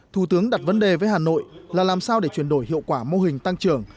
thủ tướng đặt vấn đề với hà nội là làm sao để chuyển đổi hiệu quả mô hình tăng trưởng